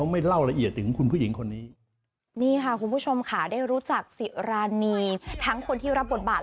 เปลี่ยนไปได้ยังไง